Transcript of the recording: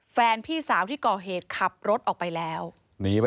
พี่สาวที่ก่อเหตุขับรถออกไปแล้วหนีไป